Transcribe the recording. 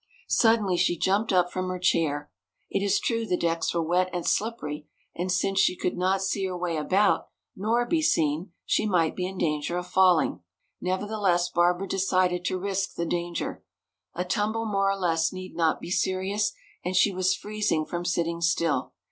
Suddenly she jumped up from her chair. It is true the decks were wet and slippery and since she could not see her way about, nor be seen, she might be in danger of falling. Nevertheless, Barbara decided to risk the danger. A tumble more or less need not be serious and she was freezing from sitting still.